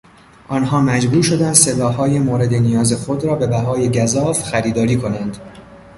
آنها مجبور شدند سلاحهای مورد نیاز خود را به بهای گزاف خریداری کنند.